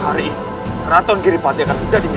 hari ini ratuan kiri batu akan menjadi milik